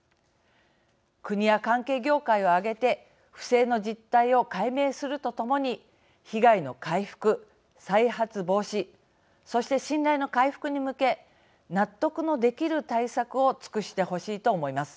国や関係業界をあげて不正の実態を解明するとともに被害の回復、再発防止そして信頼の回復に向け納得のできる対策を尽くしてほしいと思います。